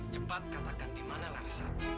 cepat katakan di mana larasati